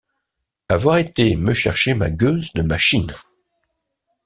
Avoir été me chercher ma gueuse de machine!